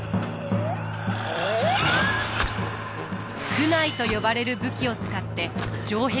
苦無と呼ばれる武器を使って城壁を登ります。